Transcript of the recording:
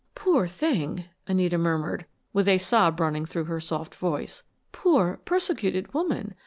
"Poor thing!" Anita murmured, with a sob running through her soft voice. "Poor, persecuted woman.